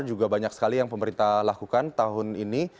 juga banyak sekali yang pemerintah lakukan tahun ini